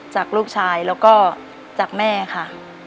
จากลูกชายแล้วก็จากแม่ค่ะ